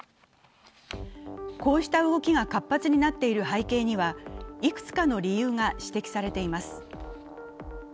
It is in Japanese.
こうした動きが活発になっている背景にはいくつかの理由が指摘されています。